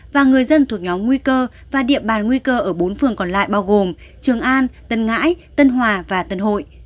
và người dân thuộc nhóm nguy cơ và địa bàn nguy cơ ở bốn phường còn lại bao gồm trường an tân ngãi tân hòa và tân hội